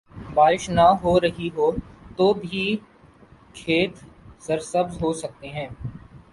بارش نہ ہو رہی ہو تو بھی کھیت سرسبز ہو سکتے ہیں۔